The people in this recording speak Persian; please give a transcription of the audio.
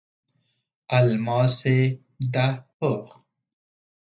الماس ده پخ